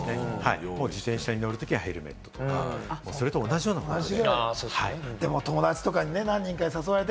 自転車に乗るときはヘルメット、それと同じような感覚で。